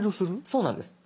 そうなんです。